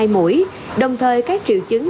hai mũi đồng thời các triệu chứng